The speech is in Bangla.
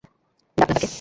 ডাক না তাকে!